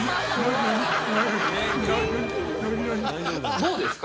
どうですか？